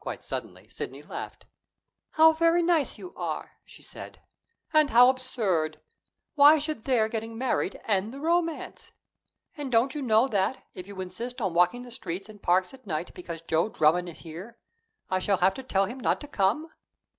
Quite suddenly Sidney laughed. "How very nice you are!" she said "and how absurd! Why should their getting married end the romance? And don't you know that, if you insist on walking the streets and parks at night because Joe Drummond is here, I shall have to tell him not to come?"